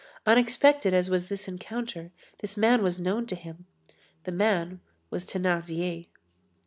Unexpected as was this encounter, this man was known to him. The man was Thénardier.